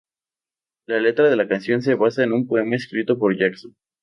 La letra de la canción se basa en un poema escrito por Jackson.